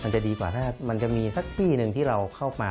มันจะดีกว่าถ้ามันก็มีสักตีนึงที่เราเข้ามา